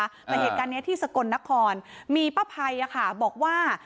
แต่เหตุการณ์นี้ที่สกลนครมีป้าภัยบอกว่า